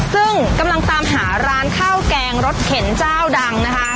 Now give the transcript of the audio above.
ซึ่งกำลังตามหาร้านข้าวแกงรสเข็นเจ้าดังนะคะ